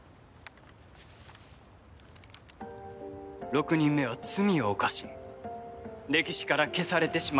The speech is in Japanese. ６人目は罪を犯し歴史から消されてしまった。